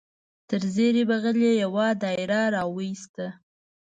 تر زیر بغل یې یو دایره را وایسته.